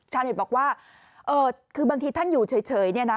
ชาวเน็ตบอกว่าเอ่อคือบางทีท่านอยู่เฉยเนี่ยนะ